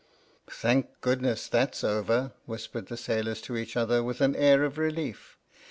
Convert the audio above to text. "Thank goodness, that's over!" whispered the sailors to each other with an air of relief.